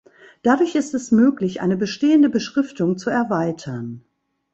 Dadurch ist es möglich, eine bestehende Beschriftung zu erweitern.